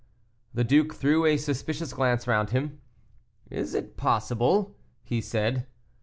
The duke threw a suspicious glance round him. "Is it possible?" he said.